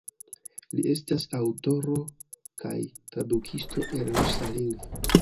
Li estas aŭtoro kaj tradukisto el rusa lingvo.